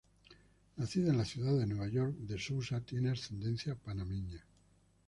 Nacida en la ciudad de Nueva York, De Sousa tiene ascendencia panameña.